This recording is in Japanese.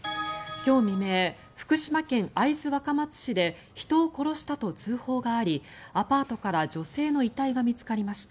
今日未明、福島県会津若松市で人を殺したと通報がありアパートから女性の遺体が見つかりました。